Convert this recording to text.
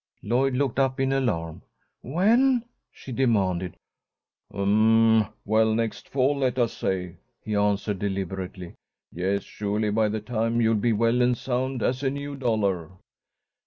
Lloyd looked up in alarm. "When?" she demanded. "Um well, next fall, let us say," he answered, deliberately. "Yes, surely by that time you'll be well and sound as a new dollar."